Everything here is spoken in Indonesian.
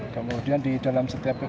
kemudian di dalam setiap